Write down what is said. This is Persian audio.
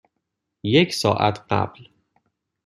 یک ساعت قبل.